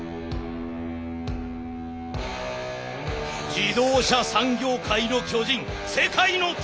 自動車産業界の巨人世界のＴ